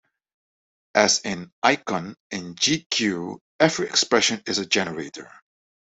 As in Icon, in jq every expression is a generator.